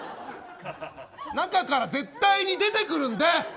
中から絶対に出てくるんで！